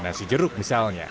nasi jeruk misalnya